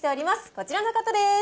こちらの方です。